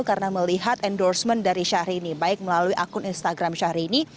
karena melihat endorsement dari syahrini baik melalui akun instagram syahrini